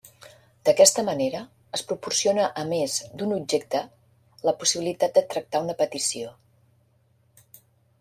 D'aquesta manera es proporciona a més d'un objecte la possibilitat de tractar una petició.